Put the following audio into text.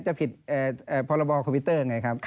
จะผิดพอร์โลบอลคอวิทเตอร์ไงครับ